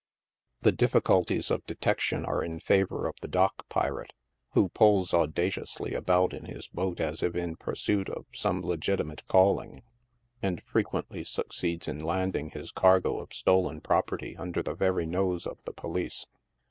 THE RIVER THIEVES. 105 The difficulties of detection are in favor of the dock pirate, who pulls audaciously about in his boat a3 if in pursuit of some legiti mate calling;, and frequently succeeds in landing his cargo of stolen property under the very nose of the police.